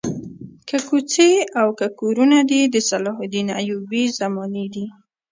که کوڅې او که کورونه دي د صلاح الدین ایوبي زمانې دي.